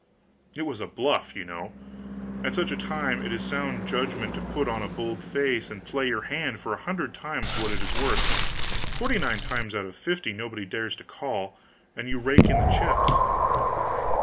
It was a "bluff" you know. At such a time it is sound judgment to put on a bold face and play your hand for a hundred times what it is worth; forty nine times out of fifty nobody dares to "call," and you rake in the chips.